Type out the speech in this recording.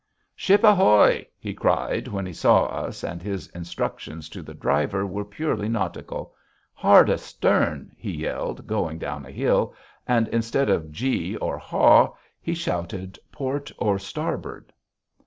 "Ship ahoy!" he cried, when he saw us, and his instructions to the driver were purely nautical. "Hard astern!" he yelled, going down a hill, and instead of "Gee" or "Haw" he shouted "Port" or "Starboard."